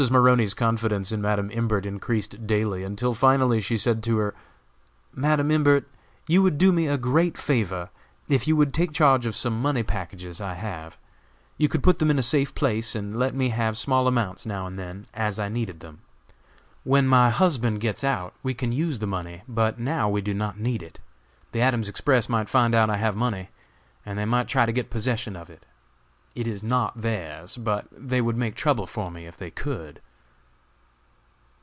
Maroney's confidence in Madam Imbert increased daily, until finally she said to her: "Madam Imbert, you would do me a great favor if you would take charge of some money packages I have. You could put them in a safe place, and let me have small amounts now and then, as I needed them. When my husband gets out we can use the money; but now we do not need it. The Adams Express might find out I have money, and they might try to get possession of it. It is not theirs, but they would make trouble for me if they could."